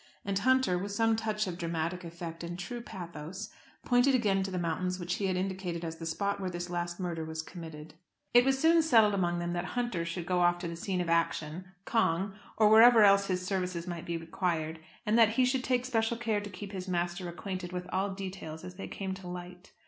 And Hunter, with some touch of dramatic effect and true pathos, pointed again to the mountains which he had indicated as the spot where this last murder was committed. It was soon settled among them that Hunter should go off to the scene of action, Cong, or wherever else his services might be required, and that he should take special care to keep his master acquainted with all details as they came to light.